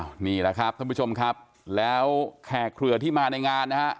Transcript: นี่แหละครับท่านผู้ชมครับแล้วแขกเครือที่มาในงานนะฮะ